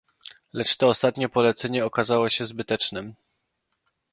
"Lecz to ostatnie polecenie okazało się zbytecznem."